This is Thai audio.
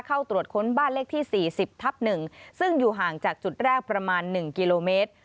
เข้าตรวจค้นบ้านเลขที่๔๐ทับ๑ซึ่งอยู่ห่างจากจุดแรกประมาณ๑กิโลเมตร